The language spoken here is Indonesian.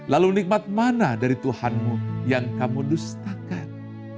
lalu nikmat mana dari tuhanmu yang kamu dustakan